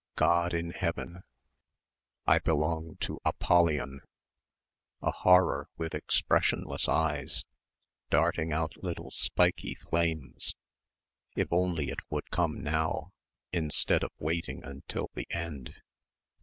... God in heaven.... I belong to Apollyon ... a horror with expressionless eyes ... darting out little spiky flames ... if only it would come now ... instead of waiting until the end....